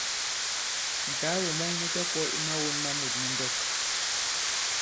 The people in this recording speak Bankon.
Ǹtàagò mɔn mu ta-kwɔ̄ i mawōn ma mût nu ndɔk.